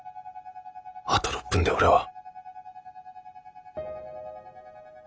あと６分で俺は。